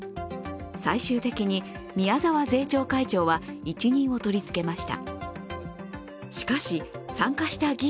最終的に宮沢税調会長は一任を取り付けました。